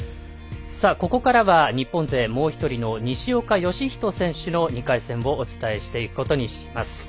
ここからは日本勢、もう１人の西岡良仁選手の２回戦をお伝えしていくことにします。